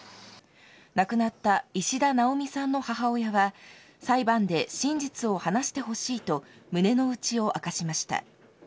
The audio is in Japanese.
亡くなった石田奈央美さんの母親は裁判で真実を話してほしいと胸の内を明かしました。